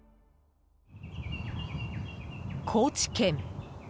高知県。